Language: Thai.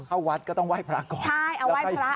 เข้าวัดก็ต้องไหว้พระก่อนใช่เอาไหว้พระ